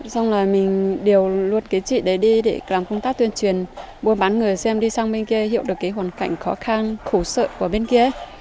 xong là mình điều luật cái chuyện đấy đi để làm công tác tuyên truyền mua bán người xem đi sang bên kia hiểu được cái hoàn cảnh khó khăn khổ sợ của bên kia